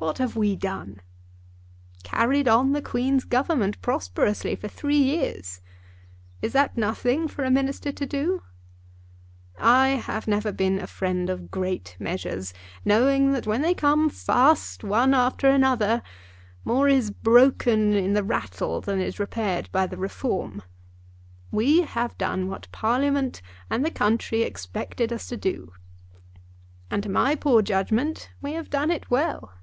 "What have we done?" "Carried on the Queen's Government prosperously for three years. Is that nothing for a minister to do? I have never been a friend of great measures, knowing that when they come fast, one after another, more is broken in the rattle than is repaired by the reform. We have done what Parliament and the country expected us to do, and to my poor judgment we have done it well."